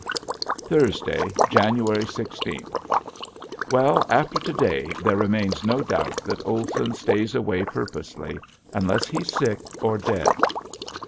Thursday, January sixteenth. Well, after to day there remains no doubt that Olson stays away purposely unless he's sick or dead.